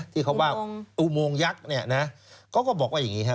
ที่เขาว่าอุโมงยักษ์เนี่ยนะเขาก็บอกว่าอย่างนี้ฮะ